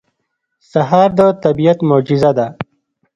سهار د طبیعت معجزه ده.